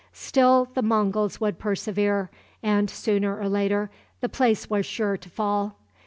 Still the Monguls would persevere, and, sooner or later, the place was sure to fall.